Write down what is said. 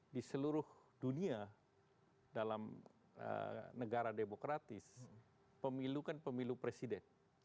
di seluruh dunia dalam negara demokratis pemilukan pemilu presiden